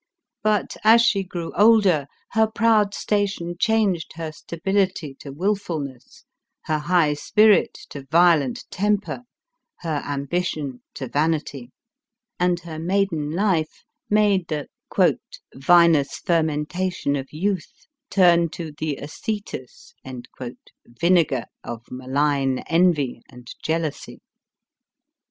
But, as she gr<Jw older, her proud station changed her stability to wilful ness, her high spirit to violent temper, her ambition to vanity ; and her maiden life made the " Vinous fermentation of youth turn to the acetous" vinegar of malign envy and jealousy.